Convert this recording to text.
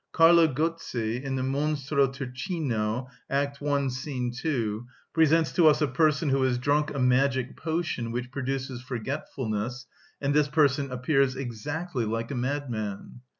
Carlo Gozzi, in the "Monstro turchino," act i. scene 2, presents to us a person who has drunk a magic potion which produces forgetfulness, and this person appears exactly like a madman.